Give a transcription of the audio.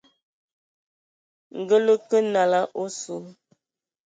Ngǝ lǝ kǝ nalǝ a osu,